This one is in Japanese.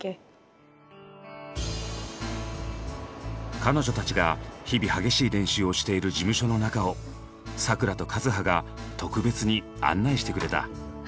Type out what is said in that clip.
彼女たちが日々激しい練習をしている事務所の中をサクラとカズハが特別に案内してくれた。